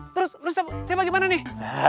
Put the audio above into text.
terus terus siapa gimana nih